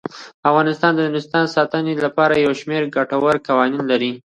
افغانستان د نورستان د ساتنې لپاره یو شمیر ګټور قوانین لري.